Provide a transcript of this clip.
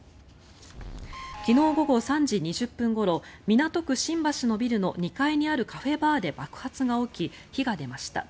昨日午後３時２０分ごろ港区新橋のビルの２階にあるカフェバーで爆発が起き、火が出ました。